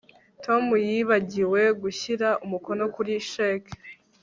Tom yibagiwe gushyira umukono kuri cheque